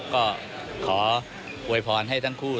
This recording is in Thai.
ก็ขออวยพรให้ทั้งคู่